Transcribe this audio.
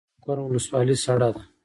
مقر ولسوالۍ سړه ده؟